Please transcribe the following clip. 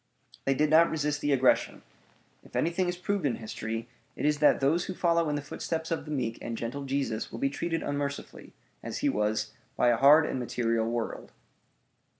They did not resist the aggression. If anything is proved in history, it is that those who follow in the footsteps of the meek and gentle Jesus will be treated unmercifully, as he was, by a hard and material world.